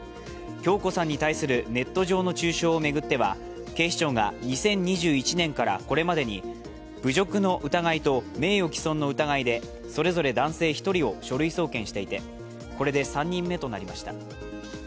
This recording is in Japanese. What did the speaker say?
響子さんに対するネット上の中傷を巡っては警視庁が２０２１年からこれまでに侮辱の疑いと名誉毀損の疑いでそれぞれ男性１人を書類送検していてこれで３人目となりました。